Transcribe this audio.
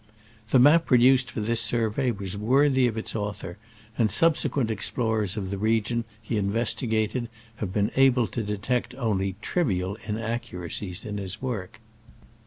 The map produced fror this survey was worthy of its author, and subsequent explorers of the region he investigated have been able to detect only trivial inaccuracies in his work.